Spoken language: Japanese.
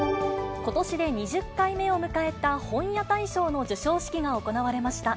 ことしで２０回目を迎えた本屋大賞の授賞式が行われました。